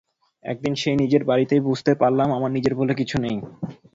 একদিন সেই নিজের বাড়িতেই বুঝতে পারলাম আমার নিজের বলে কিছু নেই।